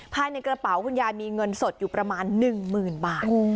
ภายในกระเป๋าคุณยายมีเงินสดอยู่ประมาณ๑๐๐๐บาท